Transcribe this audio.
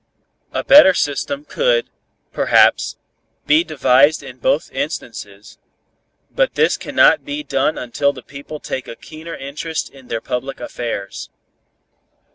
"A better system could, perhaps, be devised in both instances, but this cannot be done until the people take a keener interest in their public affairs."